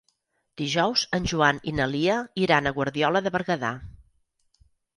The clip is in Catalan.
Dijous en Joan i na Lia iran a Guardiola de Berguedà.